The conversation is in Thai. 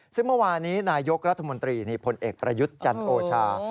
ซึ่งเมื่อวานี้นายกรัฐมนตรีพลเอกประยุทธ์จันโอชา